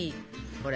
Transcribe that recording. これ。